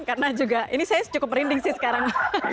karena juga ini saya cukup merinding sih sekarang